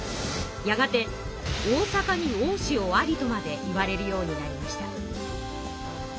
やがて「大阪に大塩あり」とまでいわれるようになりました。